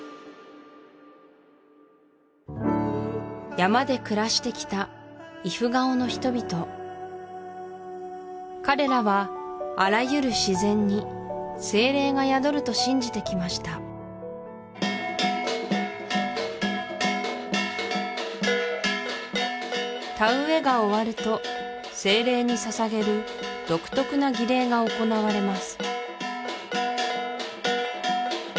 山で暮らしてきたイフガオの人々彼らはあらゆる自然に精霊が宿ると信じてきました田植えが終わると精霊にささげる独特な儀礼が行われます